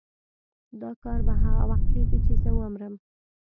دا کار به هغه وخت کېږي چې زه ومرم.